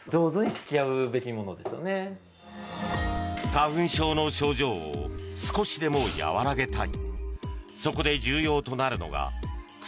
花粉症の症状を少しでも和らげたい。